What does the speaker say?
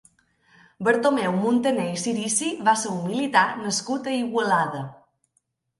Bartomeu Muntané i Cirici va ser un militar nascut a Igualada.